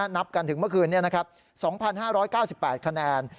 นับกันถึงเมื่อคืนนี้๒๕๙๘คะแนน